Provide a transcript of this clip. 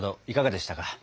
いかがでしたか。